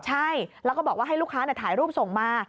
ใช่แล้วก็บอกว่าให้ลูกค้าถ่ายรูปส่งมา